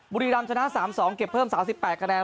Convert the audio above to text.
บุรีรำชนะ๓๒เก็บเพิ่ม๓๘คะแนน